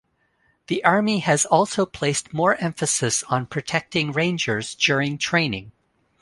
The Army has also placed more emphasis on protecting Rangers during training.